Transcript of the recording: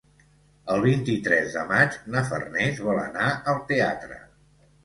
El vint-i-tres de maig na Farners vol anar al teatre.